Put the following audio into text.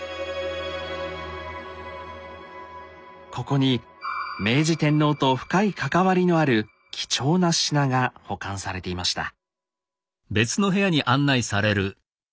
ここに明治天皇と深い関わりのある貴重な品が保管されていました。